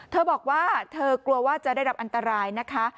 เธอบอกว่าเธอกลัวว่าจะได้รับอันตรายนะคะ